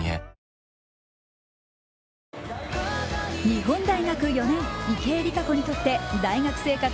日本大学４年池江璃花子にとって大学生活